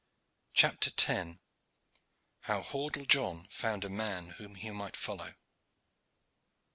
CHAPTER X. HOW HORDLE JOHN FOUND A MAN WHOM HE MIGHT FOLLOW.